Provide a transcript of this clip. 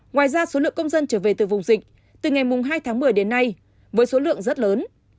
ngoài ra số lượng công dân trở về từ vùng dịch từ ngày hai tháng một mươi đến nay với số lượng rất lớn